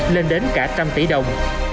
lên đến cả trăm tỷ đồng